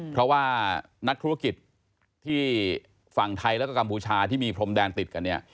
เพราะว่านักธุรกิจที่ฝั่งไทยแล้วก็กัมพูชาที่มีพรมแดนติดกันเนี่ย